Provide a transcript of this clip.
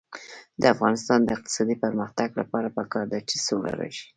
د افغانستان د اقتصادي پرمختګ لپاره پکار ده چې سوله راشي.